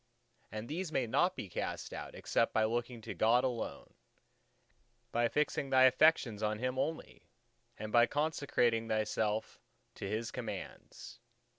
And these may not be cast out, except by looking to God alone, by fixing thy affections on Him only, and by consecrating thyself to His commands.